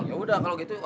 yaudah kalau gitu